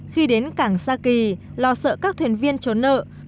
khi đến cảng sa kỳ lo sợ các thuyền viên trốn nợ